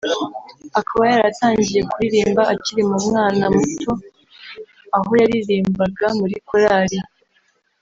akaba yaratangiye kuririmba akiri mu mwana muto aho yaririmbaga muri korali